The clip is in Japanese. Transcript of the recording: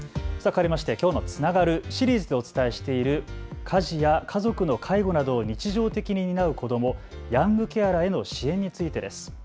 かわりまして、きょうのつながる、シリーズでお伝えしている家事や家族の介護などを日常的に担う子どもヤングケアラーへの支援についてです。